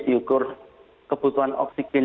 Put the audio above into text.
diukur kebutuhan oksigen